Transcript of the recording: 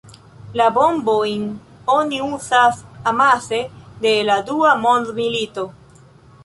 La bombojn oni uzas amase de la dua mondmilito.